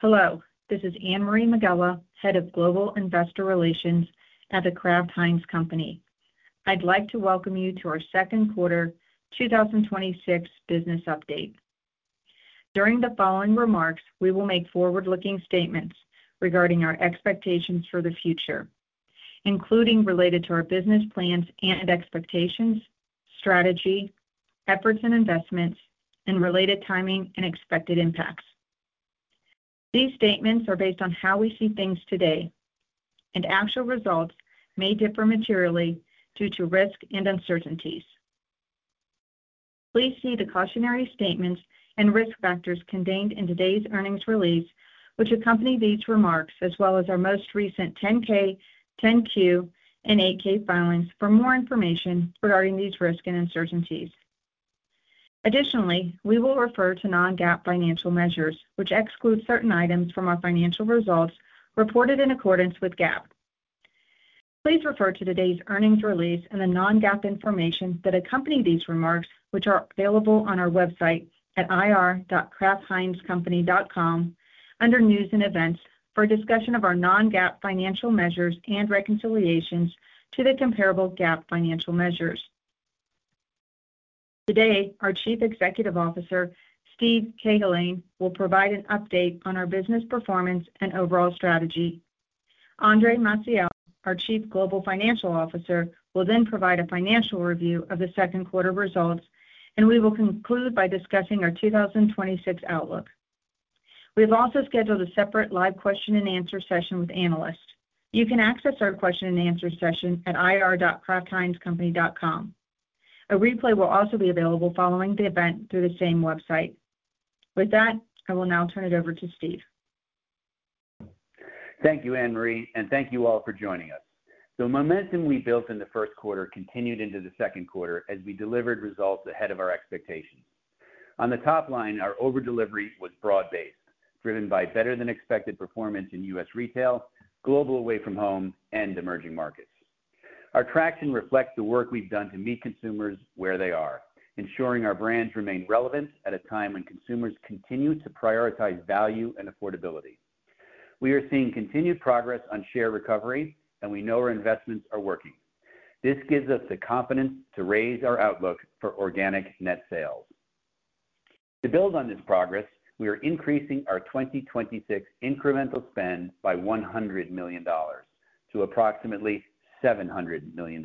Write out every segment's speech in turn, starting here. Hello, this is Anne-Marie Megela, Head of Global Investor Relations at The Kraft Heinz Company. I'd like to welcome you to our second quarter 2026 business update. During the following remarks, we will make forward-looking statements regarding our expectations for the future, including related to our business plans and expectations, strategy, efforts and investments, and related timing and expected impacts. These statements are based on how we see things today, and actual results may differ materially due to risk and uncertainties. Please see the cautionary statements and risk factors contained in today's earnings release, which accompany these remarks, as well as our most recent 10-K, 10-Q, and 8-K filings for more information regarding these risks and uncertainties. Additionally, we will refer to Non-GAAP financial measures, which exclude certain items from our financial results reported in accordance with GAAP. Please refer to today's earnings release and the Non-GAAP information that accompany these remarks, which are available on our website at ir.kraftheinzcompany.com under News & Events for a discussion of our Non-GAAP financial measures and reconciliations to the comparable GAAP financial measures. Today, our Chief Executive Officer, Steve Cahillane, will provide an update on our business performance and overall strategy. Andre Maciel, our Chief Global Financial Officer, will then provide a financial review of the second quarter results, and we will conclude by discussing our 2026 outlook. We have also scheduled a separate live question and answer session with analysts. You can access our question and answer session at ir.kraftheinzcompany.com. A replay will also be available following the event through the same website. With that, I will now turn it over to Steve. Thank you, Anne-Marie, and thank you all for joining us. The momentum we built in the first quarter continued into the second quarter as we delivered results ahead of our expectations. On the top line, our over delivery was broad-based, driven by better than expected performance in U.S. retail, global away from home, and Emerging Markets. Our traction reflects the work we've done to meet consumers where they are, ensuring our brands remain relevant at a time when consumers continue to prioritize value and affordability. We are seeing continued progress on share recovery, and we know our investments are working. This gives us the confidence to raise our outlook for Organic Net Sales. To build on this progress, we are increasing our 2026 incremental spend by $100 million to approximately $700 million.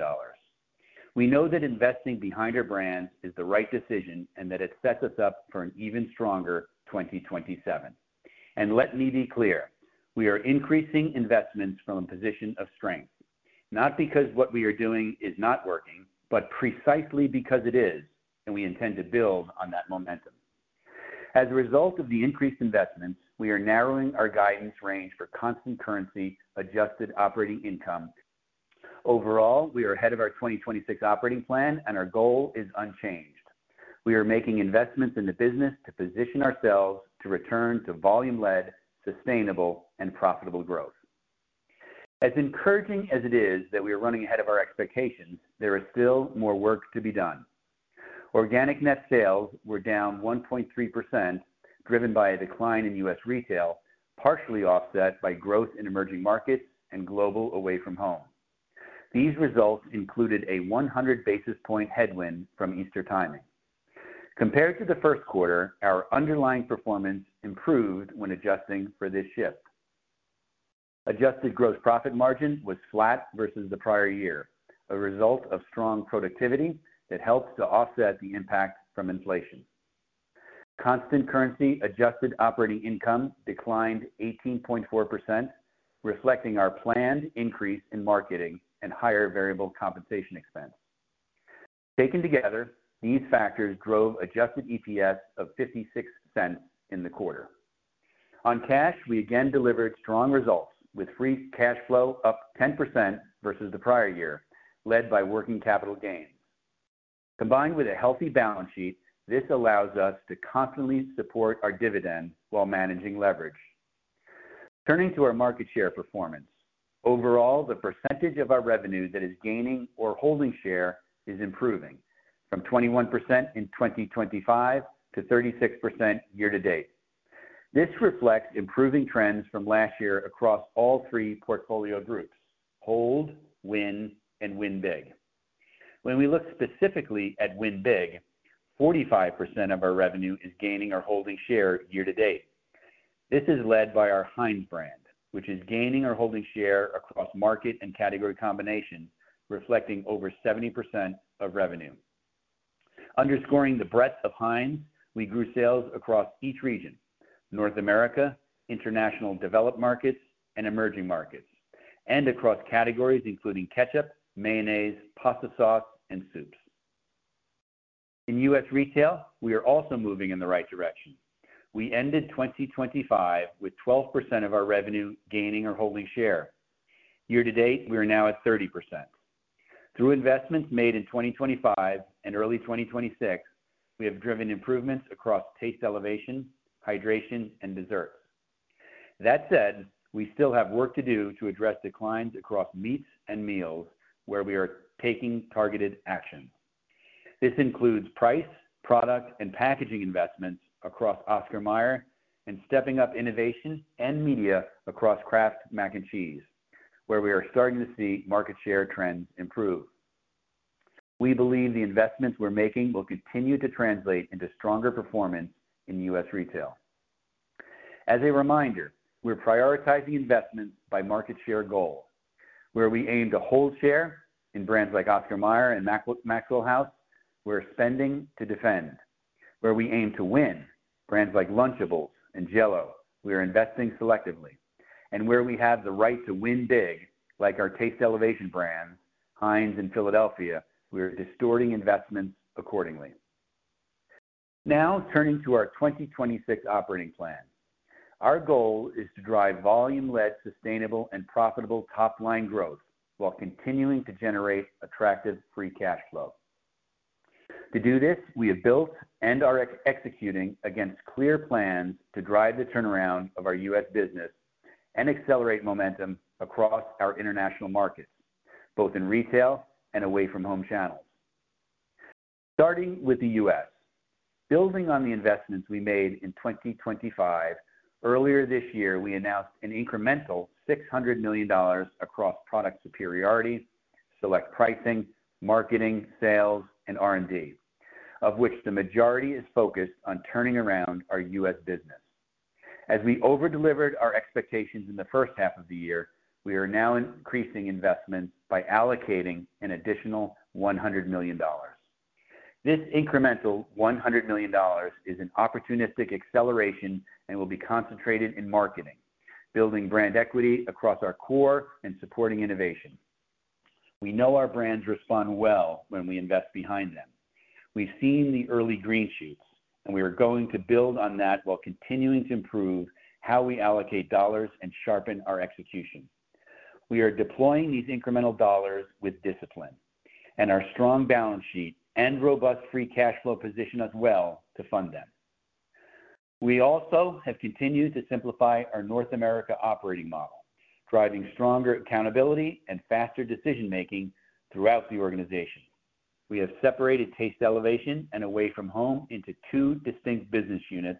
We know that investing behind our brands is the right decision and that it sets us up for an even stronger 2027. Let me be clear, we are increasing investments from a position of strength, not because what we are doing is not working, but precisely because it is, and we intend to build on that momentum. As a result of the increased investments, we are narrowing our guidance range for constant currency adjusted operating income. Overall, we are ahead of our 2026 operating plan and our goal is unchanged. We are making investments in the business to position ourselves to return to volume-led, sustainable, and profitable growth. As encouraging as it is that we are running ahead of our expectations, there is still more work to be done. Organic Net Sales were down 1.3%, driven by a decline in U.S. retail, partially offset by growth in Emerging Markets and global away from home. These results included a 100 basis point headwind from Easter timing. Compared to the first quarter, our underlying performance improved when adjusting for this shift. adjusted gross profit margin was flat versus the prior year, a result of strong productivity that helped to offset the impact from inflation. constant currency adjusted operating income declined 18.4%, reflecting our planned increase in marketing and higher variable compensation expense. Taken together, these factors drove adjusted EPS of $0.56 in the quarter. On cash, we again delivered strong results, with free cash flow up 10% versus the prior year, led by working capital gains. Combined with a healthy balance sheet, this allows us to constantly support our dividend while managing leverage. Turning to our market share performance. Overall, the percentage of our revenue that is gaining or holding share is improving from 21% in 2025 to 36% year to date. This reflects improving trends from last year across all three portfolio groups, hold, win, and win big. When we look specifically at win big, 45% of our revenue is gaining or holding share year to date. This is led by our Heinz brand, which is gaining or holding share across market and category combinations, reflecting over 70% of revenue. Underscoring the breadth of Heinz, we grew sales across each region, North America, International Developed Markets, and Emerging Markets, and across categories including ketchup, mayonnaise, pasta sauce, and soups. In U.S. retail, we are also moving in the right direction. We ended 2025 with 12% of our revenue gaining or holding share. Year to date, we are now at 30%. Through investments made in 2025 and early 2026, we have driven improvements across Taste Elevation, hydration, and dessert. That said, we still have work to do to address declines across meats and meals where we are taking targeted action. This includes price, product, and packaging investments across Oscar Mayer, and stepping up innovation and media across Kraft Mac & Cheese, where we are starting to see market share trends improve. We believe the investments we are making will continue to translate into stronger performance in U.S. retail. As a reminder, we are prioritizing investments by market share goal. Where we aim to hold share in brands like Oscar Mayer and Maxwell House, we are spending to defend. Where we aim to win, brands like Lunchables and JELL-O, we are investing selectively. Where we have the right to win big, like our Taste Elevation brands, Heinz and Philadelphia, we are distorting investments accordingly. Turning to our 2026 operating plan. Our goal is to drive volume-led, sustainable, and profitable top-line growth while continuing to generate attractive free cash flow. To do this, we have built and are executing against clear plans to drive the turnaround of our U.S. business and accelerate momentum across our international markets, both in retail and away from home channels. Starting with the U.S. Building on the investments we made in 2025, earlier this year, we announced an incremental $600 million across product superiority, select pricing, marketing, sales, and R&D, of which the majority is focused on turning around our U.S. business. We over-delivered our expectations in the first half of the year, we are now increasing investments by allocating an additional $100 million. This incremental $100 million is an opportunistic acceleration and will be concentrated in marketing, building brand equity across our core and supporting innovation. We know our brands respond well when we invest behind them. We've seen the early green shoots, and we are going to build on that while continuing to improve how we allocate dollars and sharpen our execution. We are deploying these incremental dollars with discipline, and our strong balance sheet and robust free cash flow position us well to fund them. We also have continued to simplify our North America operating model, driving stronger accountability and faster decision-making throughout the organization. We have separated Taste Elevation and Away From Home into two distinct business units,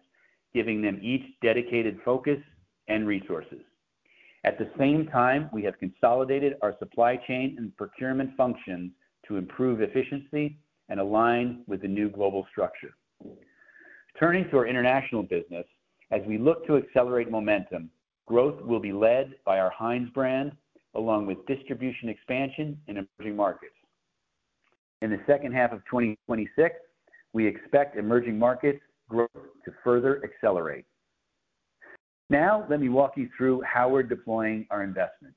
giving them each dedicated focus and resources. At the same time, we have consolidated our supply chain and procurement function to improve efficiency and align with the new global structure. Turning to our international business, as we look to accelerate momentum, growth will be led by our Heinz brand, along with distribution expansion in Emerging Markets. In the second half of 2026, we expect Emerging Markets growth to further accelerate. Let me walk you through how we're deploying our investment.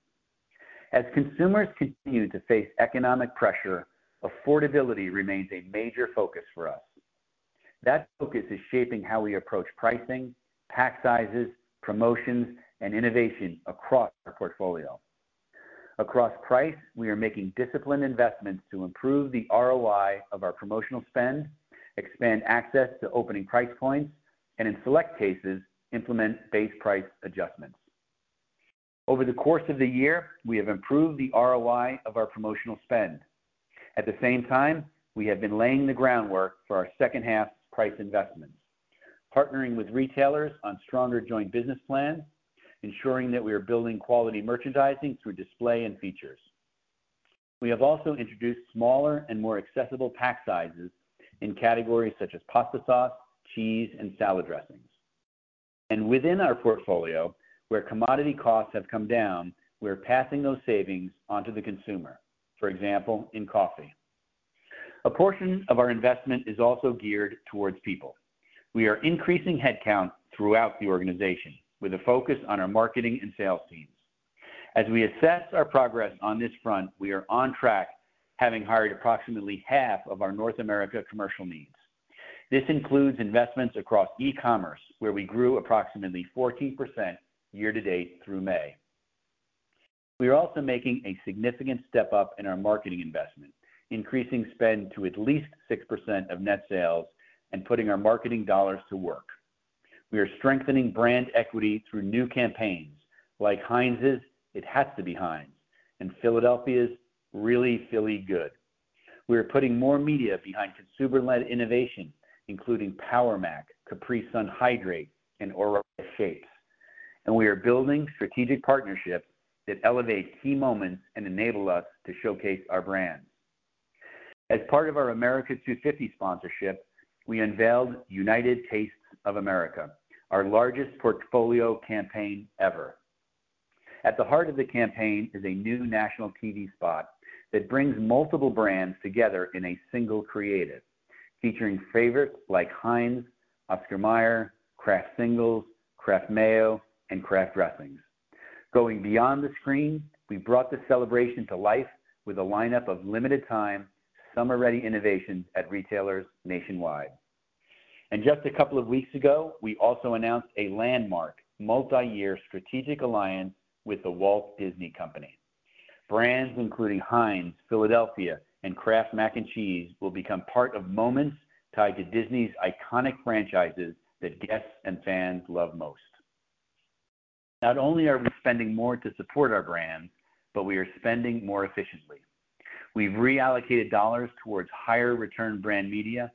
As consumers continue to face economic pressure, affordability remains a major focus for us. That focus is shaping how we approach pricing, pack sizes, promotions, and innovation across our portfolio. Across price, we are making disciplined investments to improve the ROI of our promotional spend, expand access to opening price points, and in select cases, implement base price adjustments. Over the course of the year, we have improved the ROI of our promotional spend. At the same time, we have been laying the groundwork for our second half price investments. Partnering with retailers on stronger joint business plans, ensuring that we are building quality merchandising through display and features. We have also introduced smaller and more accessible pack sizes in categories such as pasta sauce, cheese, and salad dressings. Within our portfolio, where commodity costs have come down, we're passing those savings onto the consumer, for example, in coffee. A portion of our investment is also geared towards people. We are increasing headcount throughout the organization, with a focus on our marketing and sales teams. As we assess our progress on this front, we are on track, having hired approximately half of our North America commercial needs. This includes investments across e-commerce, where we grew approximately 14% year-to-date through May. We are also making a significant step up in our marketing investment, increasing spend to at least 6% of net sales and putting our marketing dollars to work. We are strengthening brand equity through new campaigns like Heinz's "It Has to be HEINZ" and Philadelphia's "Really Philly Good." We are putting more media behind consumer-led innovation, including PowerMac, Capri Sun Hydrate, and Ore-Ida Shapes, and we are building strategic partnerships that elevate key moments and enable us to showcase our brands. As part of our America250 sponsorship, we unveiled The United Tastes of America, our largest portfolio campaign ever. At the heart of the campaign is a new national TV spot that brings multiple brands together in a single creative, featuring favorites like Heinz, Oscar Mayer, Kraft Singles, Kraft Mayo, and Kraft Dressings. Going beyond the screen, we brought the celebration to life with a lineup of limited time, summer-ready innovations at retailers nationwide. Just a couple of weeks ago, we also announced a landmark multi-year strategic alliance with The Walt Disney Company. Brands including Heinz, Philadelphia, and Kraft Mac & Cheese will become part of moments tied to Disney's iconic franchises that guests and fans love most. Not only are we spending more to support our brand, but we are spending more efficiently. We've reallocated dollars towards higher return brand media,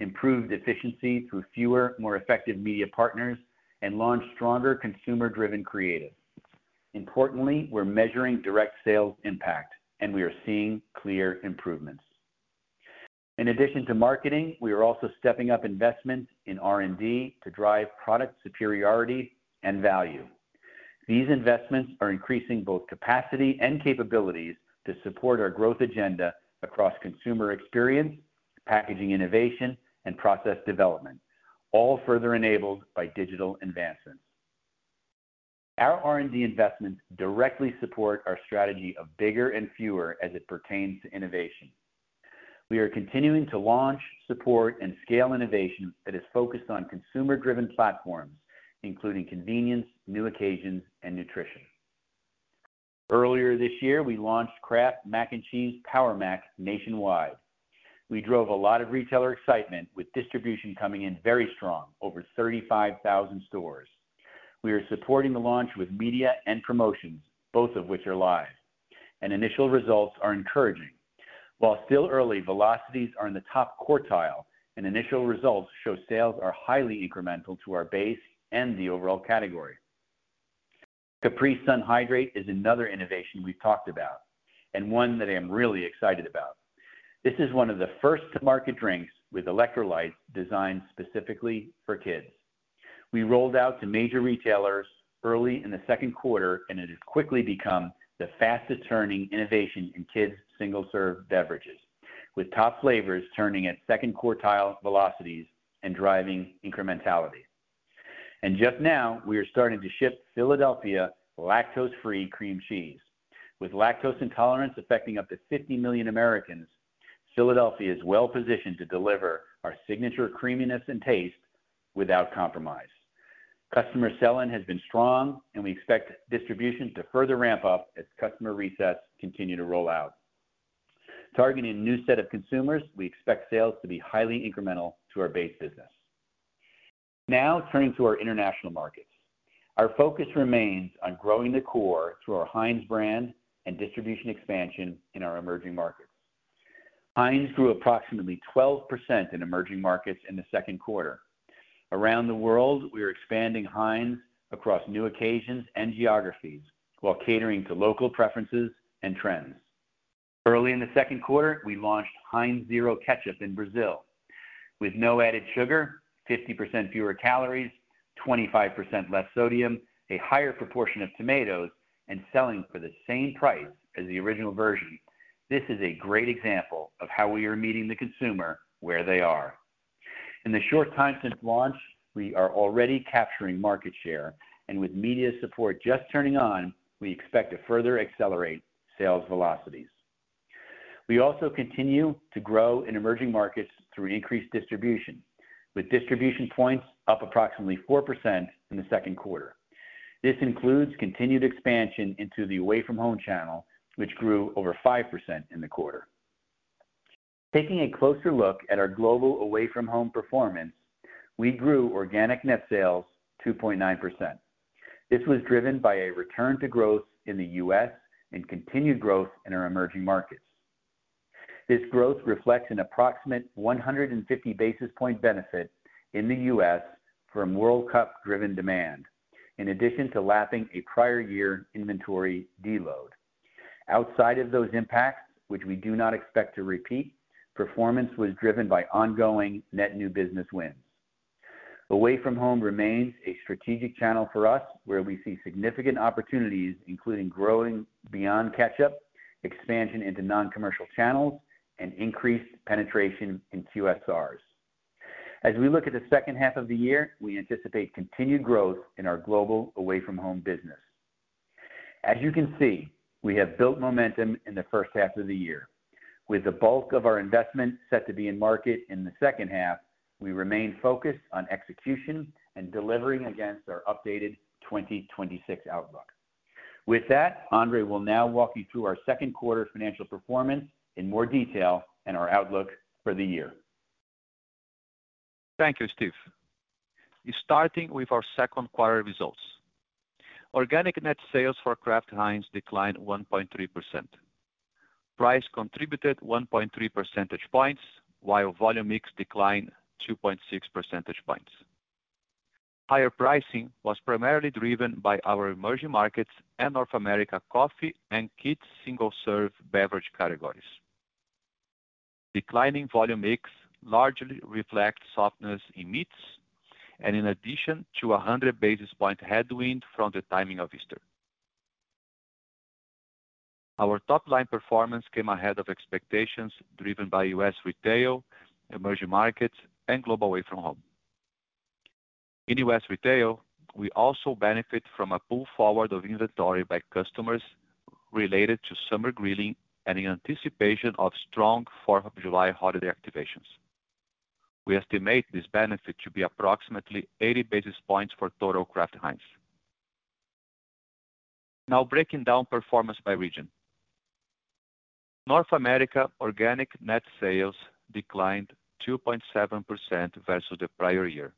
improved efficiency through fewer, more effective media partners, and launched stronger consumer-driven creative. Importantly, we're measuring direct sales impact, and we are seeing clear improvements. In addition to marketing, we are also stepping up investments in R&D to drive product superiority and value. These investments are increasing both capacity and capabilities to support our growth agenda across consumer experience, packaging innovation, and process development, all further enabled by digital advancements. Our R&D investments directly support our strategy of bigger and fewer as it pertains to innovation. We are continuing to launch, support, and scale innovation that is focused on consumer-driven platforms, including convenience, new occasions, and nutrition. Earlier this year, we launched Kraft Mac & Cheese PowerMac nationwide. We drove a lot of retailer excitement with distribution coming in very strong, over 35,000 stores. We are supporting the launch with media and promotions, both of which are live, and initial results are encouraging. While still early, velocities are in the top quartile and initial results show sales are highly incremental to our base and the overall category. Capri Sun Hydrate is another innovation we've talked about and one that I'm really excited about. This is one of the first to market drinks with electrolytes designed specifically for kids. We rolled out to major retailers early in the second quarter, and it has quickly become the fastest turning innovation in kids' single-serve beverages, with top flavors turning at second quartile velocities and driving incrementality. Just now, we are starting to ship Philadelphia Lactose Free cream cheese. With lactose intolerance affecting up to 50 million Americans, Philadelphia is well-positioned to deliver our signature creaminess and taste without compromise. Customer sell-in has been strong, and we expect distribution to further ramp up as customer resets continue to roll out. Targeting a new set of consumers, we expect sales to be highly incremental to our base business. Now turning to our international markets. Our focus remains on growing the core through our Heinz brand and distribution expansion in our Emerging Markets. Heinz grew approximately 12% in Emerging Markets in the second quarter. Around the world, we are expanding Heinz across new occasions and geographies while catering to local preferences and trends. Early in the second quarter, we launched Heinz Zero Ketchup in Brazil. With no added sugar, 50% fewer calories, 25% less sodium, a higher proportion of tomatoes, and selling for the same price as the original version, this is a great example of how we are meeting the consumer where they are. In the short time since launch, we are already capturing market share, and with media support just turning on, we expect to further accelerate sales velocities. We also continue to grow in Emerging Markets through increased distribution, with distribution points up approximately 4% in the second quarter. This includes continued expansion into the away-from-home channel, which grew over 5% in the quarter. Taking a closer look at our global away-from-home performance, we grew Organic Net Sales 2.9%. This was driven by a return to growth in the U.S. and continued growth in our Emerging Markets. This growth reflects an approximate 150 basis point benefit in the U.S. from World Cup-driven demand, in addition to lapping a prior year inventory deload. Outside of those impacts, which we do not expect to repeat, performance was driven by ongoing net new business wins. Away from home remains a strategic channel for us where we see significant opportunities, including growing beyond Heinz, expansion into non-commercial channels, and increased penetration in QSRs. As we look at the second half of the year, we anticipate continued growth in our global away-from-home business. You can see, we have built momentum in the first half of the year. With the bulk of our investment set to be in market in the second half, we remain focused on execution and delivering against our updated 2026 outlook. Andre will now walk you through our second quarter financial performance in more detail and our outlook for the year. Thank you, Steve. Starting with our second quarter results. Organic Net Sales for Kraft Heinz declined 1.3%. Price contributed 1.3 percentage points, while volume mix declined 2.6 percentage points. Higher pricing was primarily driven by our Emerging Markets and North America coffee and kids single-serve beverage categories. Declining volume mix largely reflects softness in meats and in addition to 100 basis point headwind from the timing of Easter. Our top-line performance came ahead of expectations driven by U.S. retail, Emerging Markets, and global away from home. In U.S. retail, we also benefit from a pull forward of inventory by customers related to summer grilling and in anticipation of strong Fourth of July holiday activations. We estimate this benefit to be approximately 80 basis points for total Kraft Heinz. Now breaking down performance by region. North America Organic Net Sales declined 2.7% versus the prior year.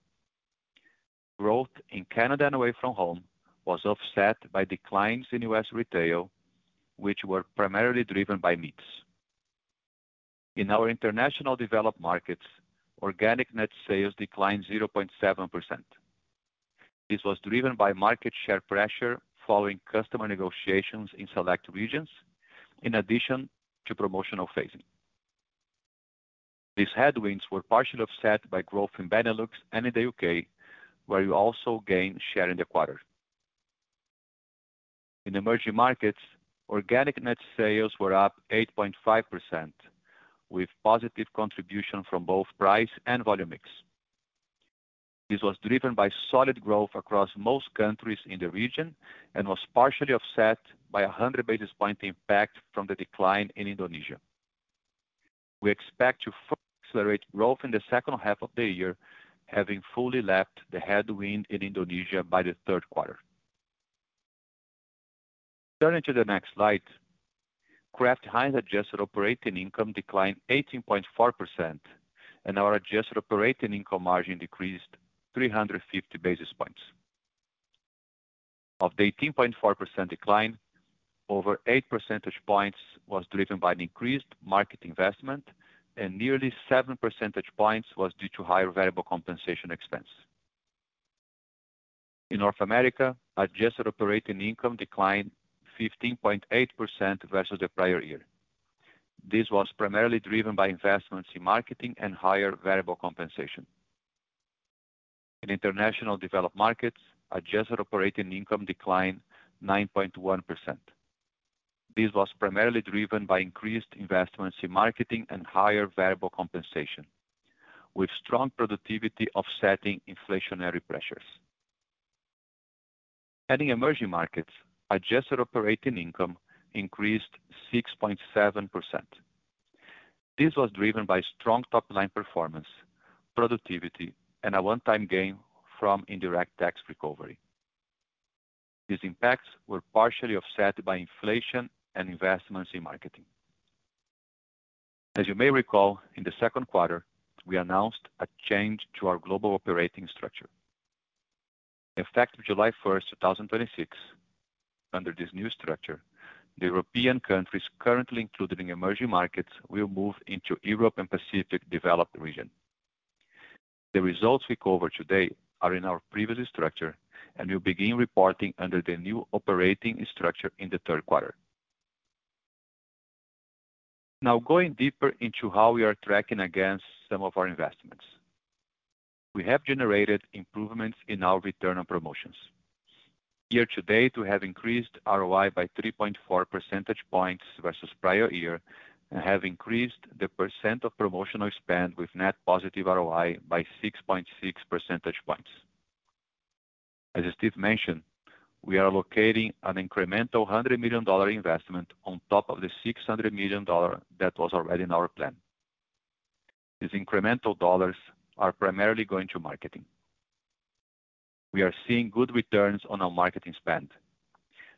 Growth in Canada and away from home was offset by declines in U.S. retail, which were primarily driven by meats. In our International Developed Markets, Organic Net Sales declined 0.7%. This was driven by market share pressure following customer negotiations in select regions, in addition to promotional phasing. These headwinds were partially offset by growth in Benelux and in the U.K., where we also gained share in the quarter. In Emerging Markets, Organic Net Sales were up 8.5%, with positive contribution from both price and volume mix. This was driven by solid growth across most countries in the region and was partially offset by 100 basis point impact from the decline in Indonesia. We expect to further accelerate growth in the second half of the year, having fully lapped the headwind in Indonesia by the third quarter. Turning to the next slide, Kraft Heinz adjusted operating income declined 18.4% and our adjusted operating income margin decreased 350 basis points. Of the 18.4% decline, over 8 percentage points was driven by an increased market investment and nearly 7 percentage points was due to higher variable compensation expense. In North America, adjusted operating income declined 15.8% versus the prior year. This was primarily driven by investments in marketing and higher variable compensation. In International Developed Markets, adjusted operating income declined 9.1%. This was primarily driven by increased investments in marketing and higher variable compensation, with strong productivity offsetting inflationary pressures. In Emerging Markets, adjusted operating income increased 6.7%. This was driven by strong top-line performance, productivity, and a one-time gain from indirect tax recovery. These impacts were partially offset by inflation and investments in marketing. As you may recall, in the second quarter, we announced a change to our global operating structure. Effective July 1st, 2026, under this new structure, the European countries currently included in Emerging Markets will move into Europe and Pacific developed region. The results we cover today are in our previous structure, and we'll begin reporting under the new operating structure in the third quarter. Going deeper into how we are tracking against some of our investments. We have generated improvements in our return on promotions. Year to date, we have increased ROI by 3.4 percentage points versus prior year and have increased the percent of promotional spend with net positive ROI by 6.6 percentage points. As Steve mentioned, we are allocating an incremental $100 million investment on top of the $600 million that was already in our plan. These incremental dollars are primarily going to marketing. We are seeing good returns on our marketing spend,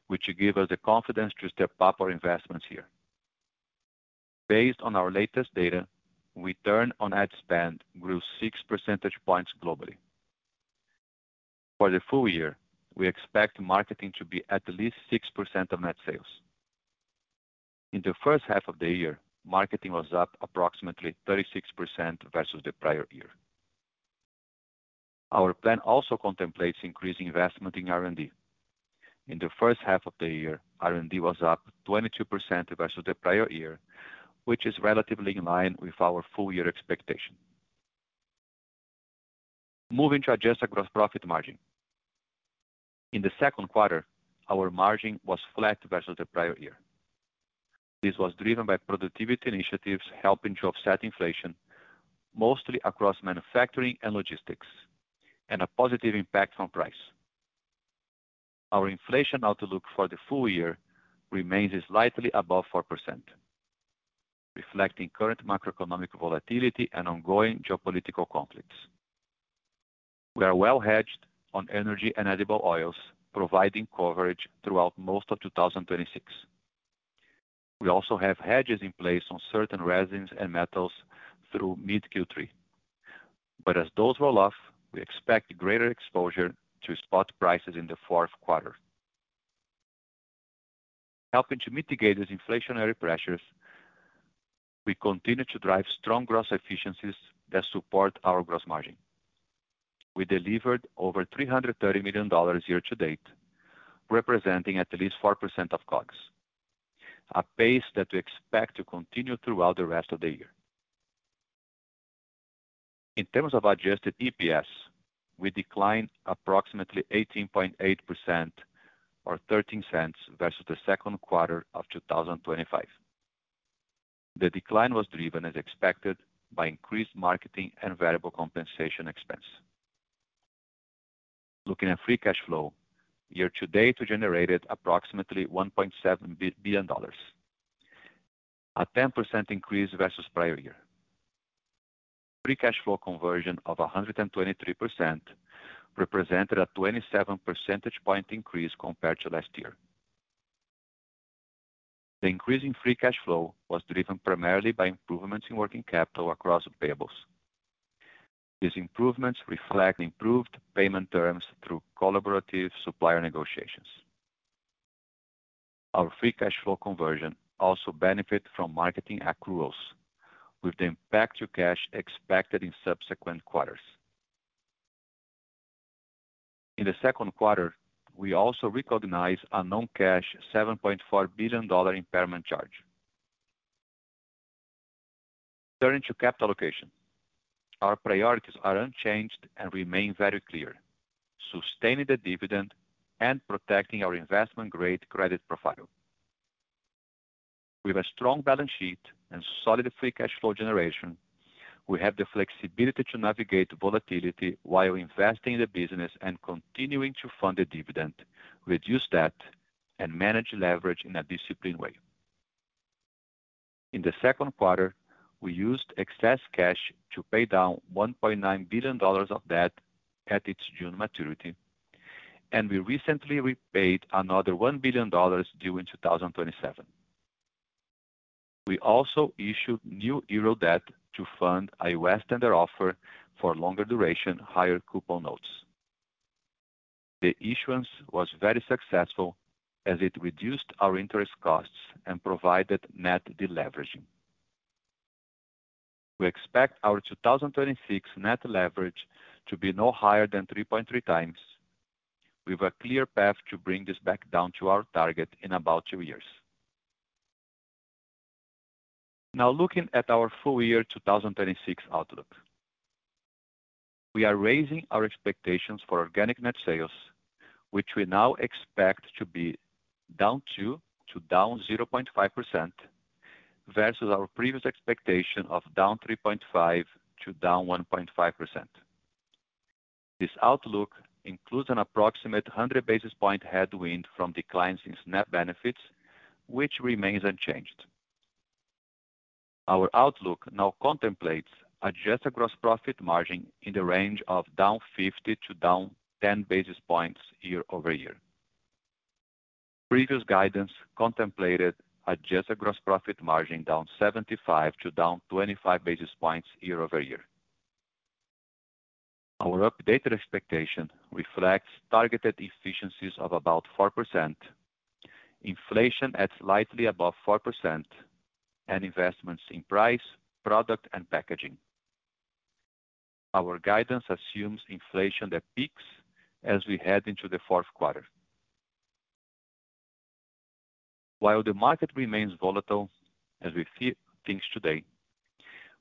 which give us the confidence to step up our investments here. Based on our latest data, return on ad spend grew six percentage points globally. For the full year, we expect marketing to be at least 6% of net sales. In the first half of the year, marketing was up approximately 36% versus the prior year. Our plan also contemplates increasing investment in R&D. In the first half of the year, R&D was up 22% versus the prior year, which is relatively in line with our full-year expectation. Moving to adjusted gross profit margin. In the second quarter, our margin was flat versus the prior year. This was driven by productivity initiatives helping to offset inflation, mostly across manufacturing and logistics, and a positive impact from price. Our inflation outlook for the full year remains slightly above 4%, reflecting current macroeconomic volatility and ongoing geopolitical conflicts. We are well-hedged on energy and edible oils, providing coverage throughout most of 2026. We also have hedges in place on certain resins and metals through mid Q3. As those roll off, we expect greater exposure to spot prices in the fourth quarter. Helping to mitigate these inflationary pressures, we continue to drive strong gross efficiencies that support our gross margin. We delivered over $330 million year-to-date, representing at least 4% of COGS, a pace that we expect to continue throughout the rest of the year. In terms of adjusted EPS, we declined approximately 18.8% or $0.13 versus the second quarter of 2025. The decline was driven, as expected, by increased marketing and variable compensation expense. Looking at free cash flow, year to date, we generated approximately $1.7 billion, a 10% increase versus prior year. Free cash flow conversion of 123%, represented a 27 percentage point increase compared to last year. The increase in free cash flow was driven primarily by improvements in working capital across payables. These improvements reflect improved payment terms through collaborative supplier negotiations. Our free cash flow conversion also benefit from marketing accruals, with the impact to cash expected in subsequent quarters. In the second quarter, we also recognized a non-cash $7.4 billion impairment charge. Turning to capital allocation. Our priorities are unchanged and remain very clear, sustaining the dividend and protecting our investment-grade credit profile. With a strong balance sheet and solid free cash flow generation, we have the flexibility to navigate volatility while investing in the business and continuing to fund the dividend, reduce debt, and manage leverage in a disciplined way. In the second quarter, we used excess cash to pay down $1.9 billion of debt at its June maturity, and we recently repaid another $1 billion due in 2027. We also issued new EUR debt to fund a less tender offer for longer duration, higher coupon notes. The issuance was very successful as it reduced our interest costs and provided net deleveraging. We expect our 2026 net leverage to be no higher than 3.3x. We have a clear path to bring this back down to our target in about two years. Looking at our full year 2026 outlook. We are raising our expectations for Organic Net Sales, which we now expect to be down 2% to down 0.5%, versus our previous expectation of down 3.5% to down 1.5%. This outlook includes an approximate 100 basis point headwind from declines in SNAP benefits, which remains unchanged. Our outlook now contemplates adjusted gross profit margin in the range of down 50 basis points-10 basis points year-over-year. Previous guidance contemplated adjusted gross profit margin down 75 basis points-25 basis points year-over-year. Our updated expectation reflects targeted efficiencies of about 4%, inflation at slightly above 4%, and investments in price, product, and packaging. Our guidance assumes inflation that peaks as we head into the fourth quarter. While the market remains volatile as we see things today,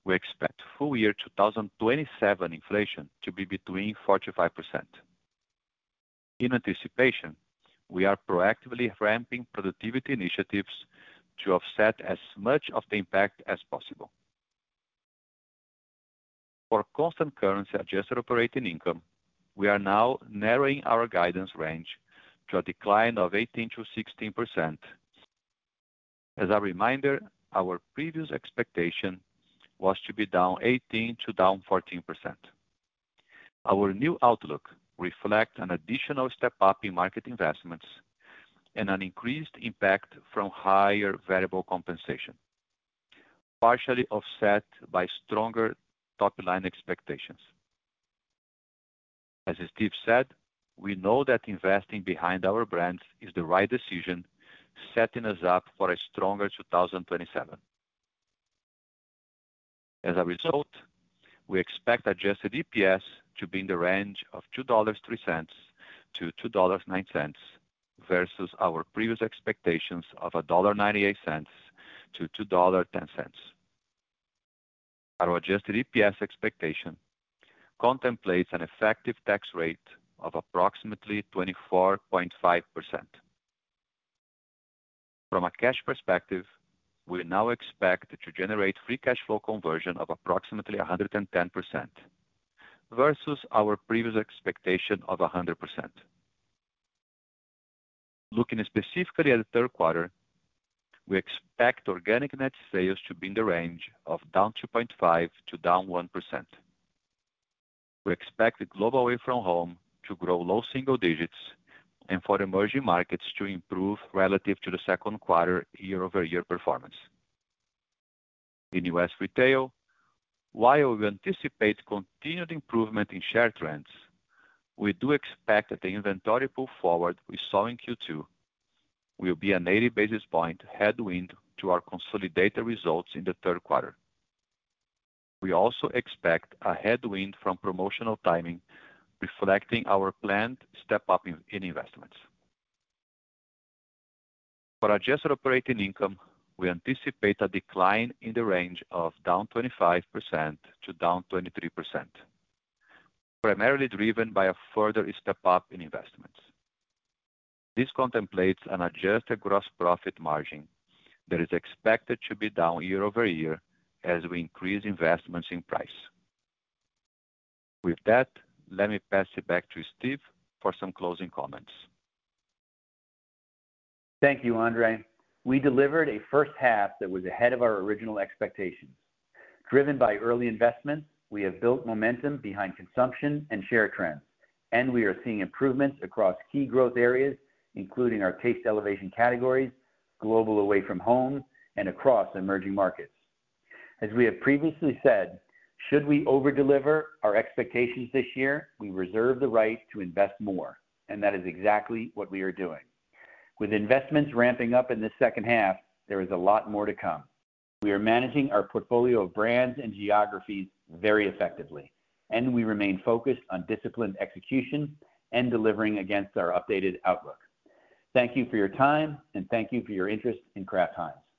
we expect full year 2027 inflation to be between 4%-5%. In anticipation, we are proactively ramping productivity initiatives to offset as much of the impact as possible. For constant currency adjusted operating income, we are now narrowing our guidance range to a decline of 18%-16%. As a reminder, our previous expectation was to be down 18%-14%. Our new outlook reflect an additional step up in market investments and an increased impact from higher variable compensation, partially offset by stronger top-line expectations. As Steve said, we know that investing behind our brands is the right decision, setting us up for a stronger 2027. As a result, we expect adjusted EPS to be in the range of $2.03-$2.09 versus our previous expectations of $1.98-$2.10. Our adjusted EPS expectation contemplates an effective tax rate of approximately 24.5%. From a cash perspective, we now expect to generate free cash flow conversion of approximately 110%, versus our previous expectation of 100%. Looking specifically at the third quarter, we expect Organic Net Sales to be in the range of down 2.5%-1%. We expect the global away from home to grow low single digits and for Emerging Markets to improve relative to the second quarter year-over-year performance. In U.S. retail, while we anticipate continued improvement in share trends, we do expect that the inventory pull forward we saw in Q2 will be a 80 basis point headwind to our consolidated results in the third quarter. We also expect a headwind from promotional timing reflecting our planned step-up in investments. For adjusted operating income, we anticipate a decline in the range of down 25%-23%, primarily driven by a further step-up in investments. This contemplates an adjusted gross profit margin that is expected to be down year-over-year as we increase investments in price. With that, let me pass it back to Steve for some closing comments. Thank you, Andre. We delivered a first half that was ahead of our original expectations. Driven by early investments, we have built momentum behind consumption and share trends. We are seeing improvements across key growth areas, including our Taste Elevation categories, global away from home, and across Emerging Markets. As we have previously said, should we over-deliver our expectations this year, we reserve the right to invest more. That is exactly what we are doing. With investments ramping up in this second half, there is a lot more to come. We are managing our portfolio of brands and geographies very effectively. We remain focused on disciplined execution and delivering against our updated outlook. Thank you for your time. Thank you for your interest in Kraft Heinz.